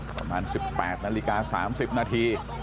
ประมาณสิบแปดนาฬิกาสามสิบนาที